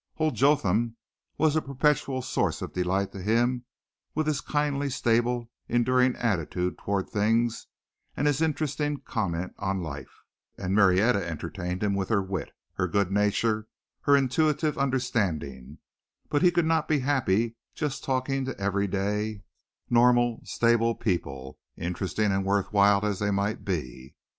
Old Jotham was a perpetual source of delight to him with his kindly, stable, enduring attitude toward things and his interesting comment on life, and Marietta entertained him with her wit, her good nature, her intuitive understanding; but he could not be happy just talking to everyday, normal, stable people, interesting and worthwhile as they might be.